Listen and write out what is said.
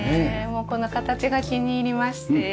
この形が気に入りましてはい。